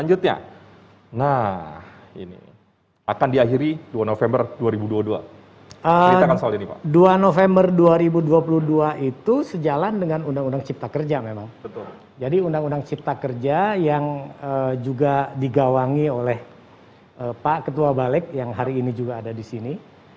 jadi undang undang cipta kerja yang juga digawangi oleh pak ketua balek yang hari ini juga ada di sini